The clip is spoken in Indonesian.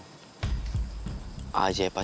aj pasti sebentar lagi bubar